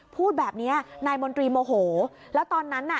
พูดแบบเนี้ยนายมนตรีโมโหแล้วตอนนั้นน่ะ